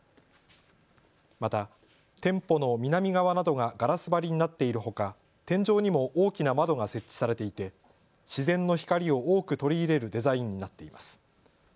また店舗の南側などがガラス張りになっているほか天井にも大きな窓が設置されていて自然の光を多く取り入れるデザインになっています。